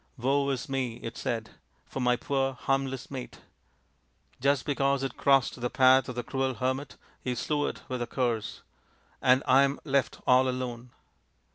" Woe is me," it said, " for my poor, harmless mate. Just because it crossed the path of the cruel hermit he slew it with a curse ! And I am left all alone